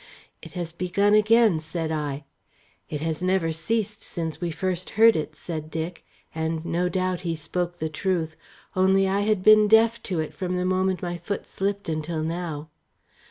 "It has begun again," said I. "It has never ceased since we first heard it," said Dick, and no doubt he spoke the truth; only I had been deaf to it from the moment my foot slipped until now.